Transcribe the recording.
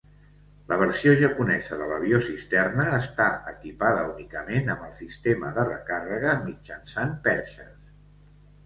La versió japonesa de l'avió cisterna està equipada únicament amb el sistema de recàrrega mitjançant perxes.